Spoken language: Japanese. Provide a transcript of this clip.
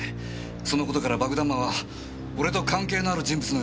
その事から爆弾魔は俺と関係のある人物のようです。